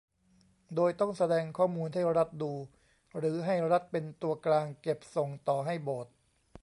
โดยต้องแสดงข้อมูลให้รัฐดู หรือให้รัฐเป็นตัวกลางเก็บส่งต่อให้โบสถ์